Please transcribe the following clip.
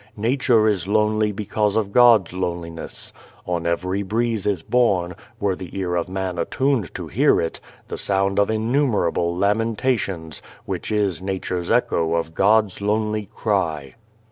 Nature is lonely because of God's loneliness. On every breeze is borne were the ear of man attuned to 233 The Lonely God hear it the sound of innumerable lamenta tions, which is Nature's echo of God's lonely cry.